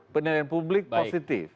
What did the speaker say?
penilaian publik positif